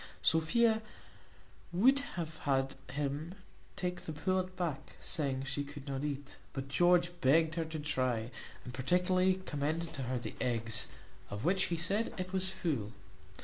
Sophia would have had him take the pullet back, saying, she could not eat; but George begged her to try, and particularly recommended to her the eggs, of which he said it was full.